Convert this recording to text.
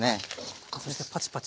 そしてパチパチ。